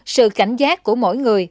sự cảnh giác của mỗi người